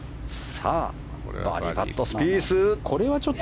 バーディーパットスピース。